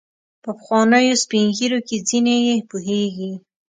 په پخوانیو سپین ږیرو کې ځینې یې پوهیږي.